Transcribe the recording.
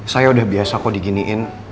saya udah biasa kok diginiin